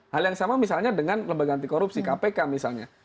hal yang sama misalnya dengan lembaga anti korupsi kpk misalnya